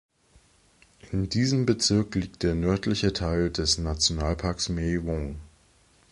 In diesem Bezirk liegt der nördliche Teil des Nationalparks Mae Wong.